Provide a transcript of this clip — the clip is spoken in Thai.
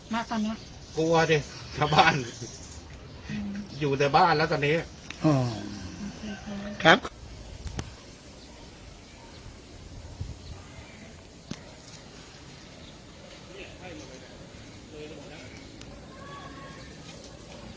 ณตอนนี้กลัวดิชาวบ้านอยู่ในบ้านแล้วตอนนี้อืมครับ